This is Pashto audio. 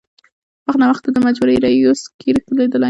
وخت ناوخت یې د مجبورۍ رېورس ګیر لېدلی.